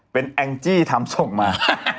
เป็นแองจี้ทำส่งมา